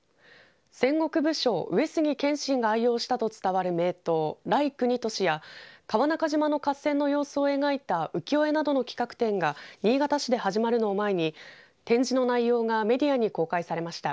戦国武将、上杉謙信が愛用したと伝わる名刀来国俊や川中島の合戦の様子を描いた浮世絵などの企画展が新潟市で始まるのを前に展示の内容がメディアに公開されました。